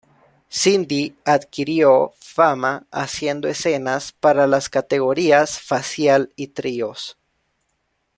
Cindy adquirió fama haciendo escenas para las categorías facial y tríos.